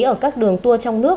ở các đường tour trong nước